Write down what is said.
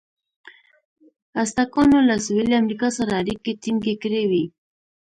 ازتکانو له سویلي امریکا سره اړیکې ټینګې کړې وې.